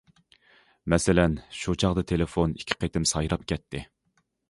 مەسىلەن... شۇ چاغدا تېلېفون ئىككى قېتىم سايراپ كەتتى.